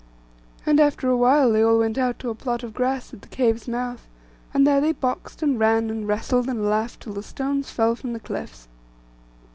And after a while they all went out to a plot of grass at the cave's mouth, and there they boxed, and ran, and wrestled, and laughed till the stones fell from the cliffs.